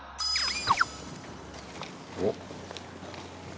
おっ！